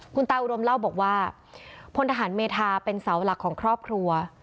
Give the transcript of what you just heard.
คุณตาอุดมเล่าบอกว่าพลทหารเมธาเป็นเสาหลักของครอบครัว